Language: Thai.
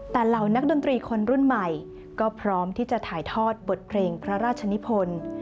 แต่เหล่านักดนตรีคนรุ่นใหม่ก็พร้อมที่จะถ่ายทอดบทเพลงพระราชนิพล